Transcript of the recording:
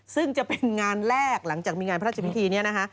ซึ่งจะเป็นงานแรกหลังจากมีงานพระราชพิธีนี้นะคะ